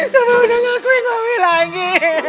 kamu udah ngakuin mami lagi